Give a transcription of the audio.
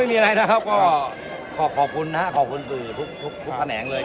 ไม่มีอะไรหนะครับก็ขอบคุณฝือทุกแผงเลย